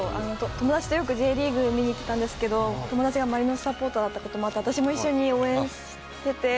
友達とよくＪリーグを見に行ってたんですけど友達がマリノスサポーターだったこともあって私も応援していて。